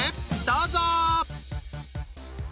どうぞ！